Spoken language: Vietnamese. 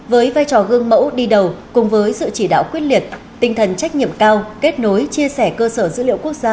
với vai trò gương mẫu đi đầu cùng với sự chỉ đạo quyết liệt tinh thần trách nhiệm cao kết nối chia sẻ cơ sở dữ liệu quốc gia